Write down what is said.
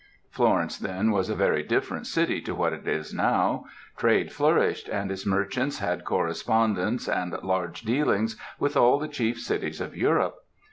"Florence then was a very different city to what it is now; trade flourished, and its merchants had correspondence and large dealings with all the chief cities of Europe.